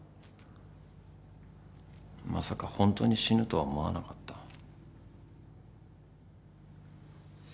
まさかホントに死ぬとは思わなかった。